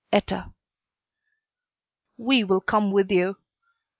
Etta." "We will come with you."